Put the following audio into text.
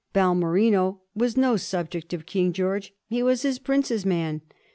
Balmerino was no subject of King George ; he was his prince's man.